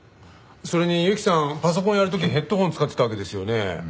それに雪さんパソコンやる時ヘッドホン使ってたわけですよね。